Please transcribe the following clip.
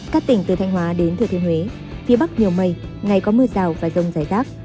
các tỉnh từ thanh hóa đến thừa thiên huế phía bắc nhiều mây ngày có mưa rào và rông rải rác